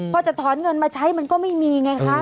พอจะถอนเงินมาใช้มันก็ไม่มีไงคะ